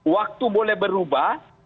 waktu boleh berubah